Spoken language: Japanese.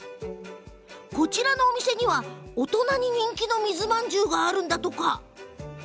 こちらのお店には大人に人気の水まんじゅうがあるんだとか。